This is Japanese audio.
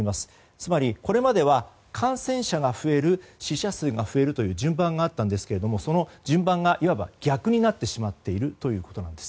つまり、これまでは感染者が増えるそして死者数が増えるという順番があったんですがその順番がいわば逆になってしまっているということです。